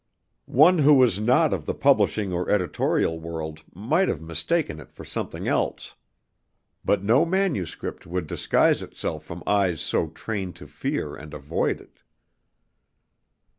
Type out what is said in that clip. One who was not of the publishing or editorial world might have mistaken it for something else; but no manuscript would disguise itself from eyes so trained to fear and avoid it.